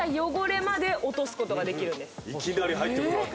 いきなり入ってくるわけ？